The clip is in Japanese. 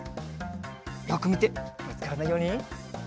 よくみてぶつからないように。